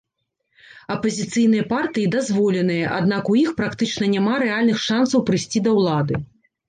Апазіцыйныя партыі дазволеныя, аднак у іх практычна няма рэальных шанцаў прыйсці да ўлады.